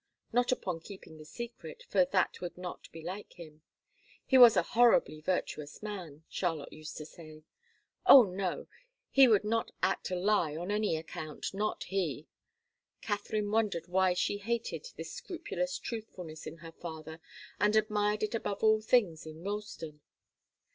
Not upon keeping the secret, for that would not be like him. He was a horribly virtuous man, Charlotte used to say. Oh, no! he would not act a lie on any account, not he! Katharine wondered why she hated this scrupulous truthfulness in her father and admired it above all things in Ralston.